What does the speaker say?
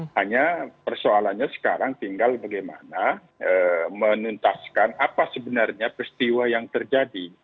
hanya persoalannya sekarang tinggal bagaimana menuntaskan apa sebenarnya peristiwa yang terjadi